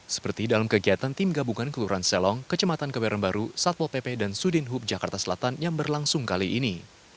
seperti dalam kegiatan tim gabungan kelurahan selong kecematan keberan baru satpol pp dan sudin hub jakarta selatan yang berlangsung kali ini